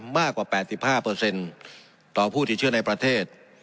มากกว่าแปดสิบห้าเปอร์เซ็นต์ต่อผู้ติดเชื้อในประเทศ